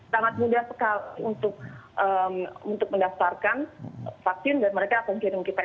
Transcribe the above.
sangat mudah sekali untuk mendaftarkan vaksin dan mereka akan kirim kita